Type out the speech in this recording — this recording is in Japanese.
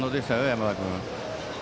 山田君。